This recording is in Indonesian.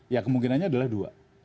ya kemungkinannya adalah dua